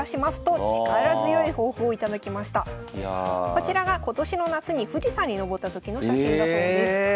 こちらが今年の夏に富士山に登った時の写真だそうです。